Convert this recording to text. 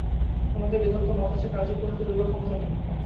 আমাদের বেদান্ত-মত আছে, কার্যে পরিণত করিবার ক্ষমতা নাই।